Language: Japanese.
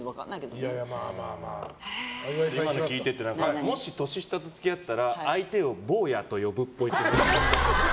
ここまで聞いててもし年下と付き合ったら相手を坊やと呼ぶっぽい。